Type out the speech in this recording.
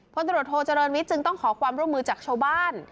พลตรวจโทเจริญวิทย์จึงต้องขอความร่วมมือจากชาวบ้าน